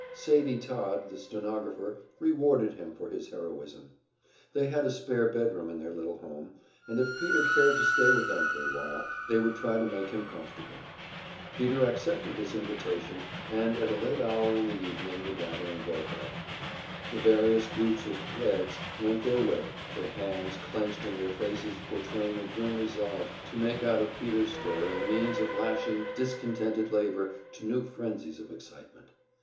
Sadie Todd, the stenographer, rewarded him for his heroism. They had a spare bedroom in their little home, and if Peter cared to stay with them for a while, they would try to make him comfortable. Peter accepted this invitation, and at a late hour in the evening the gathering broke up. The various groups of "Reds" went their way, their hands clenched and their faces portraying a grim resolve to make out of Peter's story a means of lashing discontented labor to new frenzies of excitement.